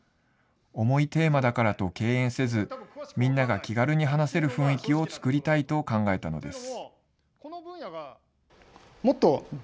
重いテーマだからと敬遠せず、みんなが気軽に話せる雰囲気を作りたいと考えたのです。